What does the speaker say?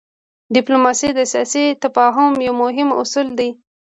ډيپلوماسي د سیاسي تفاهم یو مهم اصل دی.